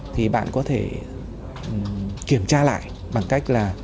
thì bạn có thể kiểm tra lại bằng cách